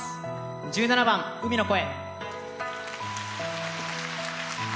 １７番「海の声」。